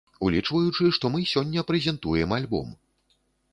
Улічваючы, што мы сёння прэзентуем альбом.